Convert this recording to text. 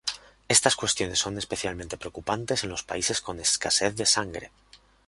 Estas cuestiones son especialmente preocupantes en los países con escasez de sangre.